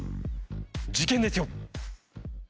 事件ですよ。